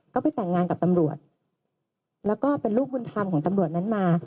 ก็ไปแต่งงานกับตำรวจแล้วก็เป็นลูกบุญธรรมของตำรวจนั้นมา